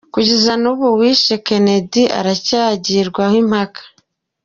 Kugeza n’ubu uwishe Kennedy aracyagibwaho impaka.